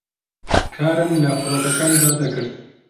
کارم لە فڕۆکەکەمدا دەکرد